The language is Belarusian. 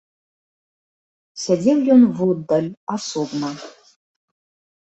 Сядзеў ён воддаль, асобна.